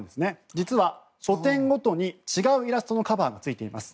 実は書店ごとに違うイラストのカバーがついています。